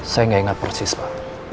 saya nggak ingat persis pak